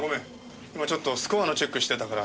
今ちょっとスコアのチェックしてたから。